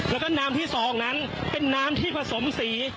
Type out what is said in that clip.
แล้วก็น้ำที่๒นั้นเป็นน้ำที่ผสมสี